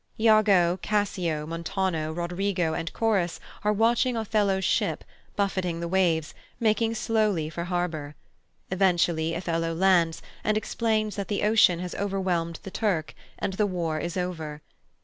Iago, Cassio, Montano, Roderigo, and chorus are watching Othello's ship, buffeting the waves, making slowly for harbour. Eventually Othello lands, and explains that the ocean has overwhelmed the Turk, and the war is over.